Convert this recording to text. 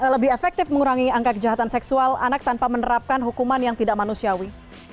lebih efektif mengurangi angka kejahatan seksual anak tanpa menerapkan hukuman yang tidak manusiawi